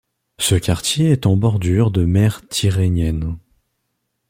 Ce quartier est en bordure de Mer Tyrrhénienne.